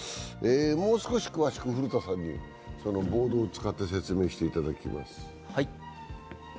もう少し詳しく、古田さんにボードを使って説明していただきます。